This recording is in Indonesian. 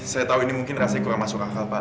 saya tahu ini mungkin rasanya kurang masuk akal pak